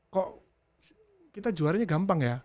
kok kita juaranya gampang ya